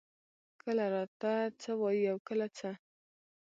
کله راته څۀ وائي او کله څۀ ـ